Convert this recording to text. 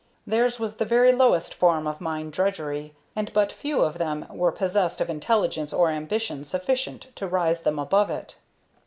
Theirs was the very lowest form of mine drudgery, and but few of them were possessed of intelligence or ambition sufficient to raise them above it.